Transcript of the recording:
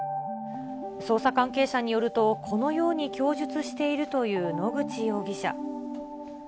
捜査関係者によると、このように供述しているという野口容疑者。